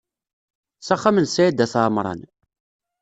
S axxam n Sɛid At Ɛemran.